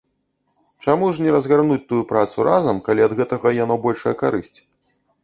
Чаму ж не разгарнуць тую працу разам, калі ад гэтага яно большая карысць?